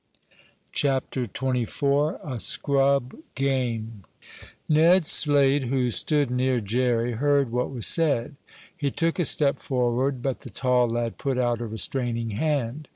CHAPTER XXIV A SCRUB GAME Ned Slade, who stood near Jerry, heard what was said. He took a step forward, but the tall lad put out a restraining hand.